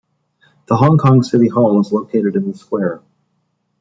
The Hong Kong City Hall is located in the square.